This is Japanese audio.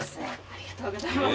ありがとうございます。